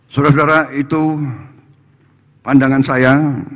saudara saudara itu pandangan saya